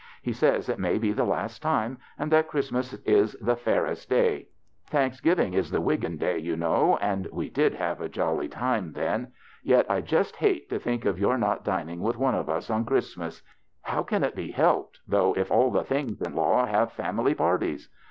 He says it may be the last time, and that Christ mas is the Ferris day. Thanksgiving is the "Wiggin day, you know, and we did have a jolly time then ; yet I just Iiate to think of 14: THE BACHELOR'S CHRISTMAS your not dining with one of us on Cliristmas. How can it be helped, though, if all the things in law have family parties